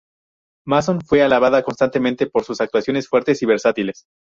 Mason fue alabada constantemente por sus actuaciones fuertes y versátiles.